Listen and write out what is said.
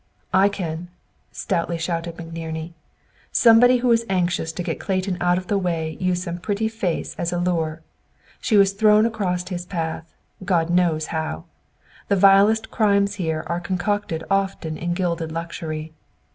"I can," stoutly said McNerney. "Somebody who was anxious to get Clayton out of the way used some pretty face as a lure! She was thrown across his path, God knows how! The vilest crimes here are concocted often in gilded luxury.